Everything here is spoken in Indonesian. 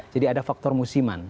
jadi ada faktor musiman